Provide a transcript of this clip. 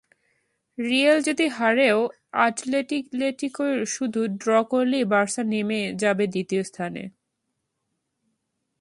Real যদি হারেও Atletico শুধু ড্র করলেই বার্সা নেমে যাবে দ্বিতীয় স্থানে।